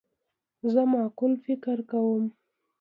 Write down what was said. زه معقول فکر کوم.